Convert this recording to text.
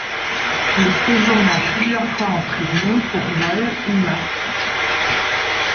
Il séjourna plusieurs fois en prison pour vol, ou meurtre.